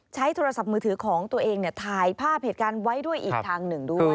ใช้โทรศัพท์มือถือของตัวเองถ่ายภาพเหตุการณ์ไว้ด้วยอีกทางหนึ่งด้วย